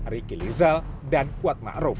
ricky lizal dan kuatma aruf